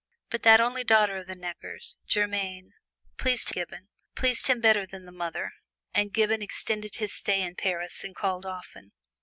But that only daughter of the Neckers, Germaine, pleased Gibbon pleased him better than the mother, and Gibbon extended his stay in Paris and called often.